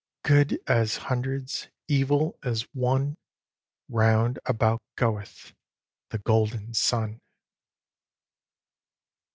Good is as hundreds, evil as one; Round about goeth the golden sun.